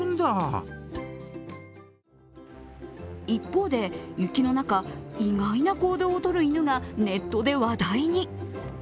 一方で、雪の中、意外な行動をとる犬がネットで話題に。